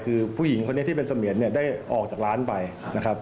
คือผู้หญิงคนนี้ที่เป็นเสมียนเนี่ยได้ออกจากร้านไปนะครับ